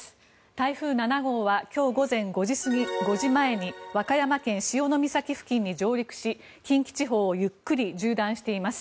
台風７号は今日午前５時前に和歌山県・潮岬付近に上陸し近畿地方をゆっくり縦断しています。